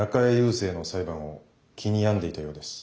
聖の裁判を気に病んでいたようです。